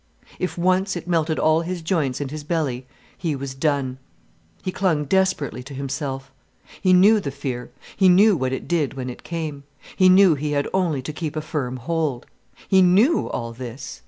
If once it melted all his joints and his belly, he was done. He clung desperately to himself. He knew the fear, he knew what it did when it came, he knew he had only to keep a firm hold. He knew all this.